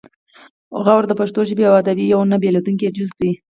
غور د پښتو ژبې او ادب یو نه بیلیدونکی جز دی